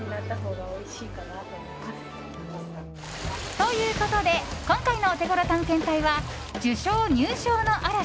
ということで今回のオテゴロ探検隊は受賞・入賞の嵐！